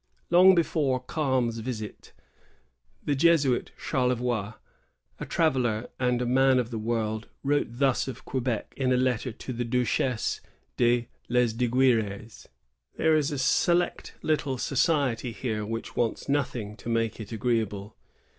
^ Long before Kalm's visit, the Jesuit Charlevoix, a traveller and a man of the world, wrote thus of Quebec in a letter to the Duchesse de Lesdiguiferes : "There is a select little society here which wants nothing to make it agreeable.